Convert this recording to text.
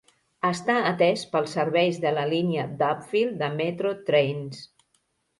Està atès pels serveis de la línia d'Upfield de Metro Trains.